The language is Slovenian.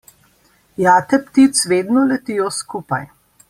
Jate ptic vedno letijo skupaj.